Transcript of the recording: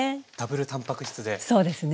そうですね。